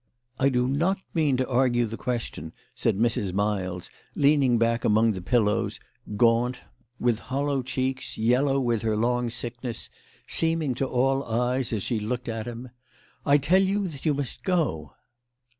" I do not mean to argue the question," said Mrs. Miles, leaning back among the pillows, gaunt, with 138 THE LADY OF LAUNAY. hollow cheeks, yellow with her long sickness, seeming to be all eyes as she looked at him. " I tell you that you must go."